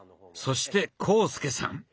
そして浩介さん。